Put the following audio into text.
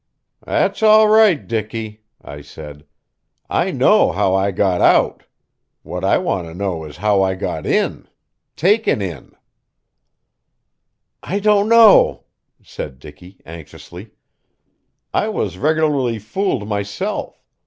"That's all right, Dicky," I said. "I know how I got out. What I want to know is how I got in taken in." "I don't know," said Dicky anxiously. "I was regularly fooled, myself.